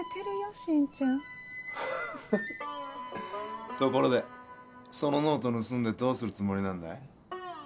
新ちゃんところでそのノート盗んでどうするつもりなんだい？